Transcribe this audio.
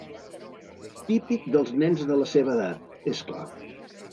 Típic dels nens de la seva edat, és clar.